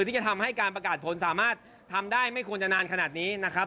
ที่จะทำให้การประกาศผลสามารถทำได้ไม่ควรจะนานขนาดนี้นะครับ